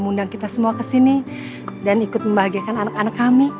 mengundang kita semua ke sini dan ikut membahagiakan anak anak kami